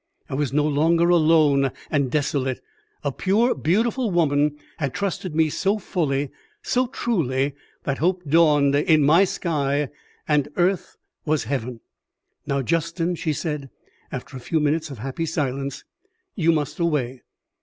I was no longer alone and desolate; a pure, beautiful woman had trusted me so fully, so truly, that hope dawned in my sky, and earth was heaven. "Now, Justin," she said, after a few minutes of happy silence, "you must away.